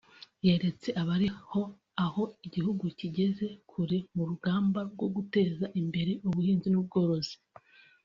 yeretse abari ho aho igihugu kigeze kure mu rugamba rwo guteza imbere ubuhinzi n’ubworozi